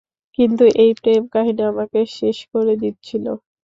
কিন্তু এই প্রেমকাহিনী আমাকে শেষ করে দিচ্ছিল।